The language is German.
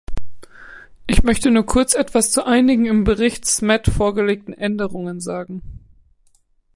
Ich möchte nur kurz etwas zu einigen im Bericht Smet vorgelegten Änderungen sagen.